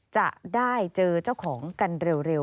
จะได้เจอเจ้าของกันเร็ว